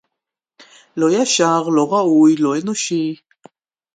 לא ישר, לא ראוי, לא אנושי